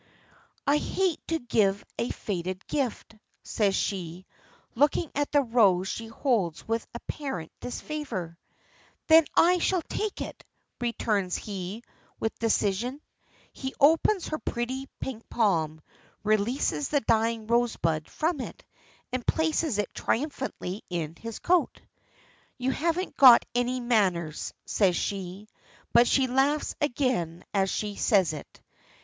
"I hate to give a faded gift," says she, looking at the rose she holds with apparent disfavor. "Then I shall take it," returns he, with decision. He opens her pretty pink palm, releases the dying rosebud from it and places it triumphantly in his coat. "You haven't got any manners," says she, but she laughs again as she says it.